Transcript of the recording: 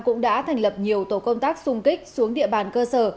cũng đã thành lập nhiều tổ công tác xung kích xuống địa bàn cơ sở